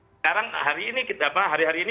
sekarang hari ini